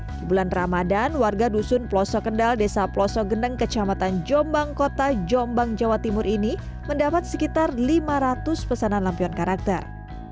di bulan ramadan warga dusun pelosok kendal desa pelosok geneng kecamatan jombang kota jombang jawa timur ini mendapat sekitar lima ratus pesanan lampion karakter